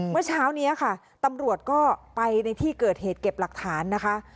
เมื่อเช้านี้ค่ะตำรวจก็ไปในที่เกิดเหตุเก็บหลักฐานนะคะ